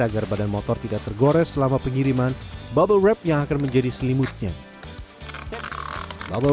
agar badan motor tidak tergores selama pengiriman bubble wrap yang akan menjadi selimutnya bubble